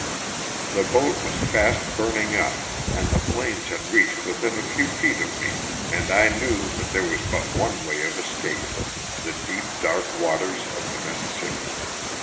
The boat was fast burning up and the flames had reached within a few feet of me and I now knew that there was but one way of escape— the deep, dark waters of the Mississippi.